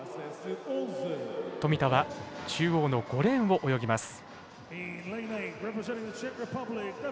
富田は中央の５レーンを泳ぎます。